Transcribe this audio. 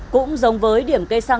cũng giống với điểm cây xăng